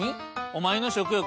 お前の食欲